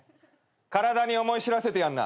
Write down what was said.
体に思い知らせてやんな。